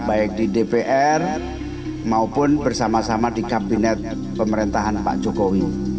baik di dpr maupun bersama sama di kabinet pemerintahan pak jokowi